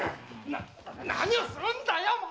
何をするんだよ！